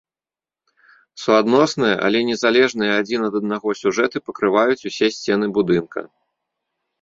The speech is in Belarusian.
Суадносныя, але незалежныя адзін ад аднаго сюжэты пакрываюць усе сцены будынка.